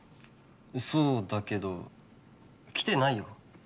そうだけど来てないよ。